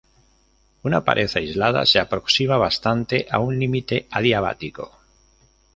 Una pared aislada se aproxima bastante a un límite adiabático.